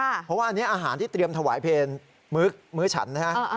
เพราะว่าอันนี้อาหารที่เตรียมถวายเพลงมื้อฉันนะฮะ